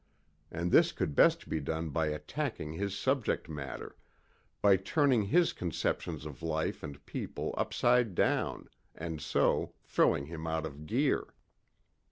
And this could best be done by attacking his subject matter, by turning his conceptions of life and people upside down and so throwing him out of gear.